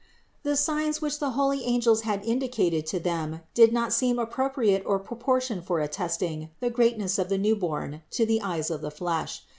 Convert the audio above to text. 495. The signs which the holy angels had indicated to them did not seem appropriate or proportioned for attesting the greatness of the Newborn to eyes of the flesh.